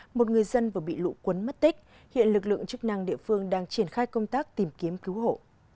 một người dân vừa bị lũ cuốn mất tích hiện lực lượng chức năng địa phương đang triển khai công tác tìm kiếm cứu hộ